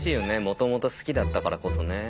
もともと好きだったからこそね。